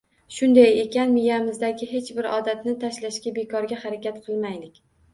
Shunday ekan miyamizdagi hech bir odatni tashlashga bekorga harakat qilmaylik